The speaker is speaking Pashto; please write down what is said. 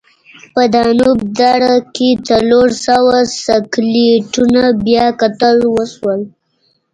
په دانوب دره کې څلور سوه سکلیټونه بیاکتل وشول.